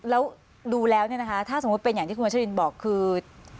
แล้วดูแล้วเนี่ยนะคะถ้าสมมุติเป็นอย่างที่คุณวัชรินบอกคือ